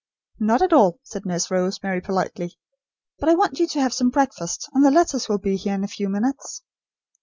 "Not at all," said Nurse Rosemary, politely; "but I want you to have some breakfast; and the letters will be here in a few minutes."